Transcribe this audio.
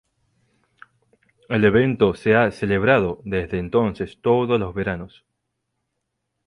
El evento se ha celebrado desde entonces todos los veranos.